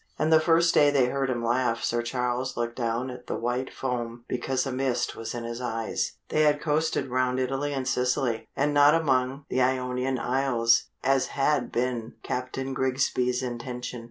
And the first day they heard him laugh Sir Charles looked down at the white foam because a mist was in his eyes. They had coasted round Italy and Sicily, and not among the Ionian Isles, as had been Captain Grigsby's intention.